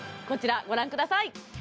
こちらご覧ください